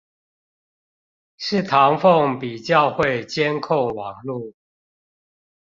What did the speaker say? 是唐鳳比較會監控網路